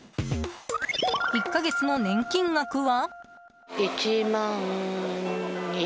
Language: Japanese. １か月の年金額は。